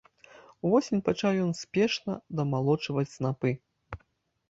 Увосень пачаў ён спешна дамалочваць снапы.